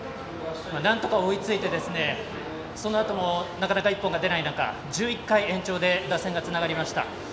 なんとか追いついてそのあともなかなか１本が出ない中１１回、延長で打線がつながりました。